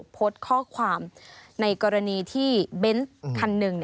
โพสต์ข้อความในกรณีที่เบนส์คันหนึ่ง